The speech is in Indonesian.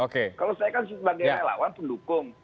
kalau saya kan sebagai relawan pendukung